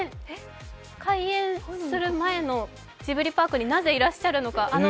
開園する前のジブリパークになぜいらっしゃるのか。